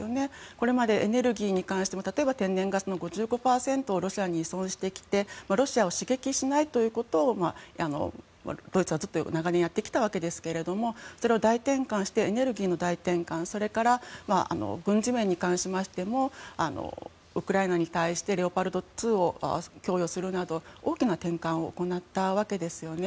これまでエネルギーに関しても例えば天然ガスの５５％をロシアに依存してきてロシアを刺激しないということをドイツは長年やってきたわけですがそれを大転換してエネルギーの大転換それから、軍事面に関してもウクライナに対してレオパルト２を供与するなど大きな転換を行ったわけですよね。